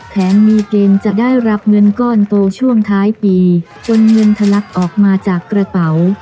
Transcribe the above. แม้มีเกณฑ์จะได้รับเงินก้อนโตช่วงท้ายปีจนเงินทะลักออกมาจากกระเป๋า